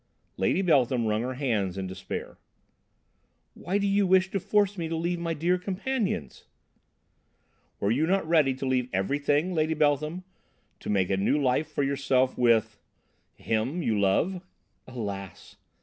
Lady Beltham wrung her hands in despair. "Why do you wish to force me to leave my dear companions?" "Were you not ready to leave everything, Lady Beltham, to make a new life for yourself with him you love?" "Alas!"